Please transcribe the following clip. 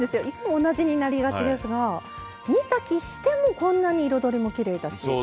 いつも同じになりがちですが煮炊きしてもこんなに彩りもきれいだし。